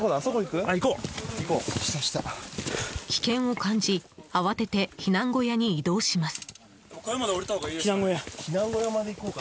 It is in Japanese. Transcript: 危険を感じ慌てて避難小屋に移動します。